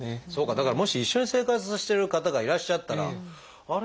だからもし一緒に生活してる方がいらっしゃったらあれ？